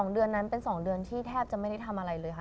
เดือนนั้นเป็น๒เดือนที่แทบจะไม่ได้ทำอะไรเลยค่ะ